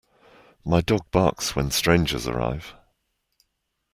My dog barks when strangers arrive.